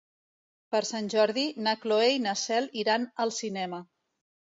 Per Sant Jordi na Cloè i na Cel iran al cinema.